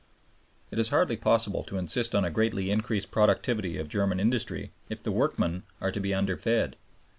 It is hardly possible to insist on a greatly increased productivity of German industry if the workmen are to be underfed.